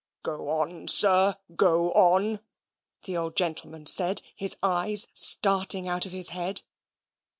"Go on, sir, go on," the old gentleman said, his eyes starting out of his head.